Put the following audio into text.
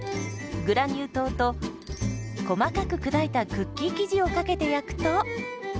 グラニュー糖と細かく砕いたクッキー生地をかけて焼くと。